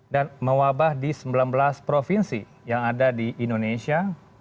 dan mewabah di sembilan belas provinsi yang ada di indonesia